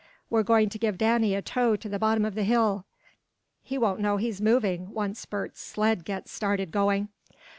"We're going to give Danny a tow to the bottom of the hill!" "He won't know he's moving, once Bert's sled gets started going!"